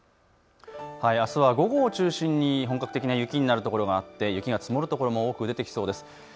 あすは午後を中心に本格的な雪になるところがあって雪が積もるところも多く出てきそうです。